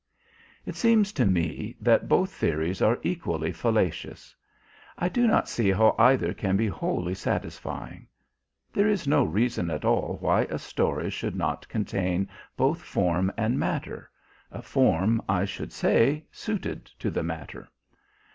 It seems to me that both theories are equally fallacious. I do not see how either can be wholly satisfying. There is no reason at all why a story should not contain both form and matter, a form, I should say, suited to the matter.